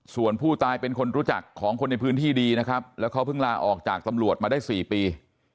ส่วนผู้ตายเป็นคนรู้จักของคนในพื้นที่ดีนะครับแล้วเขาเพิ่งลาออกจากตำรวจมาได้๔ปี